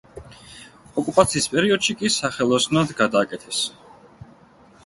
ოკუპაციის პერიოდში კი სახელოსნოდ გადააკეთეს.